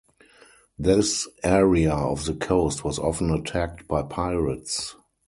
This area of the coast was often attacked by pirates.